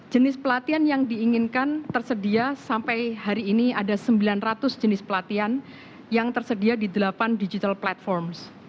jenis pelatihan yang diinginkan tersedia sampai hari ini ada sembilan ratus jenis pelatihan yang tersedia di delapan digital platform